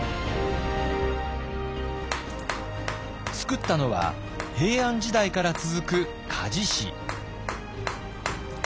つくったのは平安時代から続く鍛冶師。